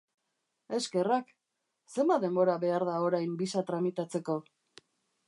Eskerrak! Zenbat denbora behar da orain bisa tramitatzeko?